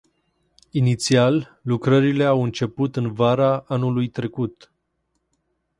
Inițial, lucrările au început în vara anului trecut.